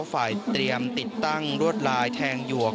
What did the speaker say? ฝ่ายเตรียมติดตั้งรวดลายแทงหยวก